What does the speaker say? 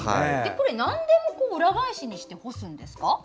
これってなんでも裏返しにして干すんですか？